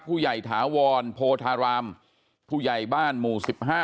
ถาวรโพธารามผู้ใหญ่บ้านหมู่๑๕